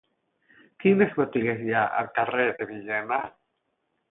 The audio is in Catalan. Quines botigues hi ha al carrer de Villena?